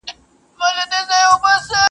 د مطرب به په شهباز کي غزل نور وي،